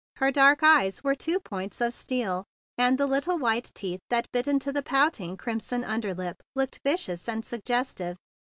Her dark eyes were two points of steel, and the little white teeth that bit into the pout¬ ing crimson under lip looked vicious and suggestive.